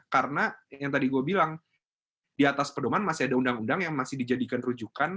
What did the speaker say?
karena yang tadi gue bilang di atas pedoman masih ada undang undang yang masih dijadikan rujukan